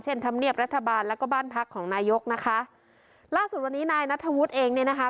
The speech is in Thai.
ธรรมเนียบรัฐบาลแล้วก็บ้านพักของนายกนะคะล่าสุดวันนี้นายนัทธวุฒิเองเนี่ยนะคะ